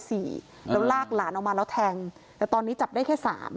แล้วลากหลานออกมาแล้วแทงแต่ตอนนี้จับได้แค่๓